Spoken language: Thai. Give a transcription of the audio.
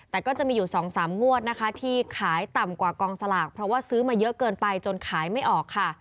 แต่ก็จะมีอยู่๒๓งวดนะคะที่ขายต่ำกว่ากองสลากเพราะว่าซื้อมาเยอะเกินไปจนขายไม่ออกค่ะ